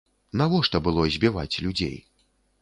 Навошта было збіваць людзей?